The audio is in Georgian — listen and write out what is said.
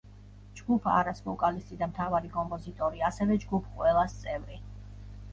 ჯგუფ „არას“ ვოკალისტი და მთავარი კომპოზიტორი; ასევე, ჯგუფ „ყველას“ წევრი.